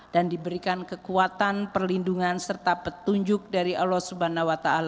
dan diberikan kekuatan perlindungan serta petunjuk dari allah swt